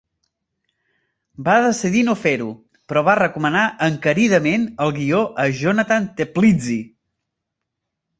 Va decidir no fer-ho, però va recomanar encaridament el guió a Jonathan Teplitzky.